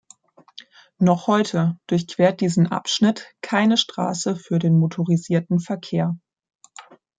Noch heute durchquert diesen Abschnitt keine Straße für den motorisierten Verkehr.